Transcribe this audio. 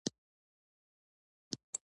دغه غرونه